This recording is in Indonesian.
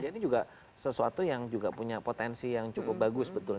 india ini juga sesuatu yang juga punya potensi yang cukup besar